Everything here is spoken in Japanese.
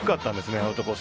アウトコース